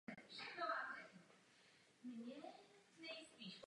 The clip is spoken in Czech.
Druhá dohoda není prozatím vymáhána.